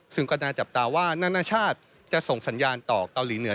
ซึ่งก็น่าจับตาว่านานาชาติจะส่งสัญญาณต่อเกาหลีเหนือ